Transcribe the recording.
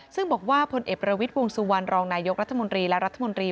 ซึ่งบอกว่าพลเอปรวิทย์วงศุวรรณรองค์นายกรัฐมนตรี